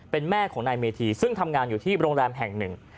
เป็นแม่ของนายเมธีซึ่งทำงานอยู่ที่โรงแรมแห่งหนึ่ง